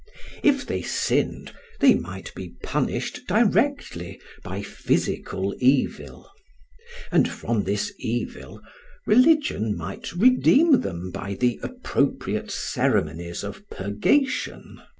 If they sinned they might be punished directly by physical evil; and from this evil religion might redeem them by the appropriate ceremonies of purgation.